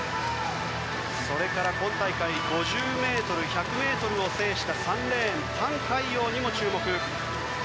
それから今大会５０ｍ、１００ｍを制した３レーンのタン・カイヨウにも注目。